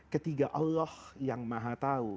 ketiga allah yang maha tahu